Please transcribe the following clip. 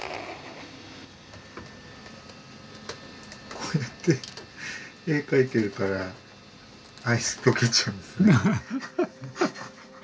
こうやって絵描いてるからアイス溶けちゃうんですよ。